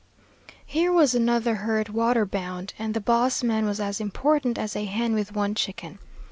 Here was another herd waterbound, and the boss man was as important as a hen with one chicken.